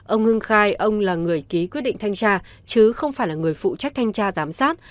ông hưng khai ông là người ký quyết định thanh tra chứ không phải là người phụ trách thanh tra giám sát